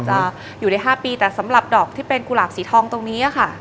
จะอยู่ใน๕ปีแต่สำหรับดอกที่เป็นกุหลาบสีทองตรงนี้ค่ะ